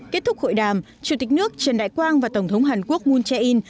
kết thúc hội đàm chủ tịch nước trần đại quang và tổng thống hàn quốc moon jae in